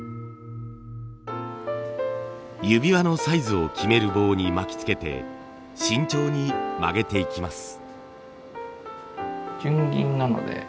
指輪のサイズを決める棒に巻きつけて慎重に曲げていきます。